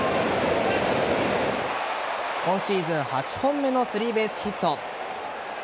今シーズン８本目のスリーベースヒット。